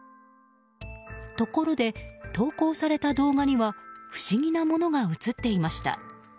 ところで、投稿された動画には不思議なものが映っていました。